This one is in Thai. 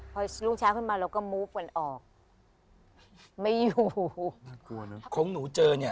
พอรุ่งเช้าขึ้นมาเราก็มูฟวันออกไม่อยู่ไม่กลัวเนอะของหนูเจอเนี่ย